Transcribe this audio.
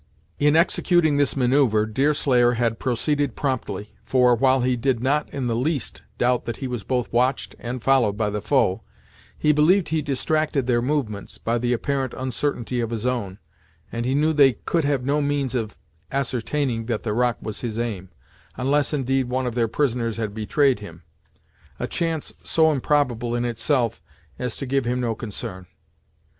In executing this maneuver, Deerslayer had proceeded promptly, for, while he did not in the least doubt that he was both watched and followed by the foe, he believed he distracted their movements, by the apparent uncertainty of his own, and he knew they could have no means of ascertaining that the rock was his aim, unless indeed one of their prisoners had betrayed him; a chance so improbable in itself, as to give him no concern.